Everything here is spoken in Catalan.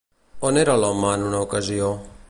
On era l'home en una ocasió?